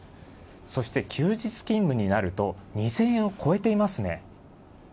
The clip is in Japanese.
そして休日勤務になると２０００円を超えていますね。